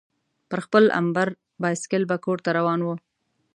پر خپل امبر بایسکل به کورته روان وو.